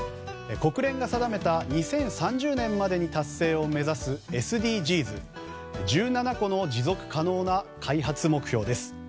国連が定めた、２０３０年までに達成を目指すＳＤＧｓ１７個の持続可能な開発目標です。